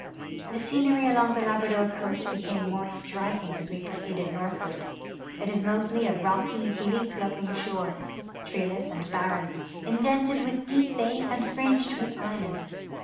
The scenery along the Labrador coast became more striking as we proceeded northward. It is mostly a rocky, bleak looking shore, treeless and barren, indented with deep bays and fringed with islands.